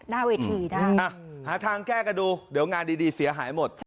หน้าเวทีนะหาทางแก้กันดูเดี๋ยวงานดีเสียหายหมด